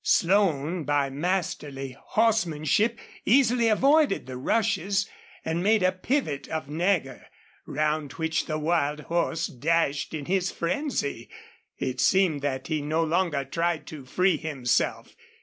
Slone, by masterly horsemanship, easily avoided the rushes, and made a pivot of Nagger, round which the wild horse dashed in his frenzy. It seemed that he no longer tried to free himself.